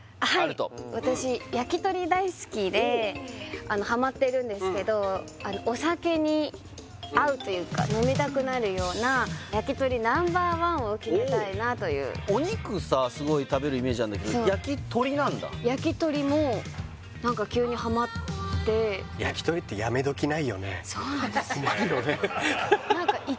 焼き鳥大好きでハマってるんですけどお酒に合うというか飲みたくなるような焼き鳥Ｎｏ．１を決めたいなというイメージあるんだけど焼き鳥なんだ焼き鳥も何か急にハマって焼き鳥ってやめ時ないよねそうなんですよないよね